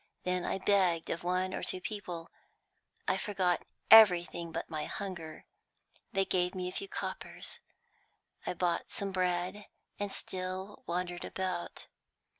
Then I begged of one or two people I forgot everything but my hunger and they gave me a few coppers. I bought some bread, and still wandered about.